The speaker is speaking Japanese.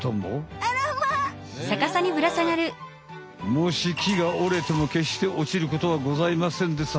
もし木が折れてもけっして落ちることはございませんです